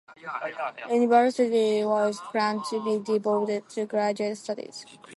The university was planned to be devoted to graduate studies.